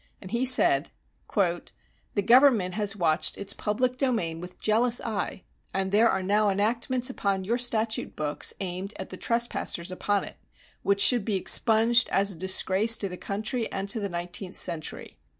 He said: The government has watched its public domain with jealous eye, and there are now enactments upon your statute books, aimed at the trespassers upon it, which should be expunged as a disgrace to the country and to the nineteenth century.